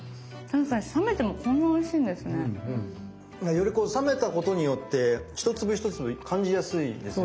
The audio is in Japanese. より冷めたことによって一粒一粒感じやすいですね。